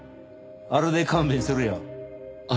あれで勘弁するよ。